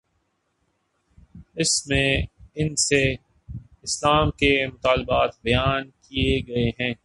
اس میں ان سے اسلام کے مطالبات بیان کیے گئے ہیں۔